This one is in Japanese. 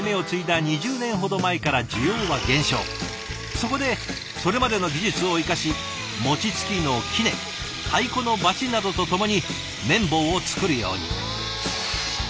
そこでそれまでの技術を生かし餅つきの杵太鼓のバチなどとともに麺棒を作るように。